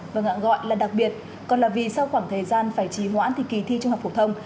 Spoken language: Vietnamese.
và ngạc gọi là đặc biệt còn là vì sau khoảng thời gian phải trí hoãn thì kỳ thi trung học phổ thông